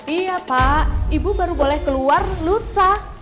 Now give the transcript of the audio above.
iya pak ibu baru boleh keluar lusa